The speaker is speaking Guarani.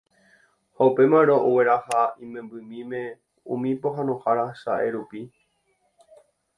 ha upémarõ ogueraha imembymime umi pohãnohára chae rupi.